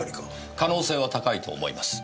可能性は高いと思います。